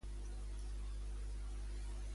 Qui era Càl·lies de Calcis?